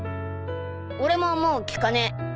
俺ももう聞かねえ。